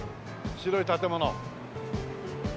白い建物。